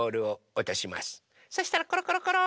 そしたらコロコロコロ。